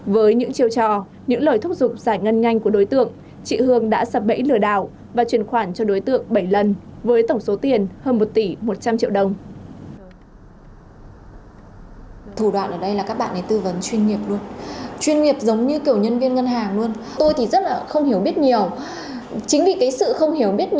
với những chiêu trò những lời thúc giục giải ngân nhanh của đối tượng chị hương đã sập bẫy lừa đảo và truyền khoản cho đối tượng bảy lần với tổng số tiền hơn một tỷ một trăm linh triệu đồng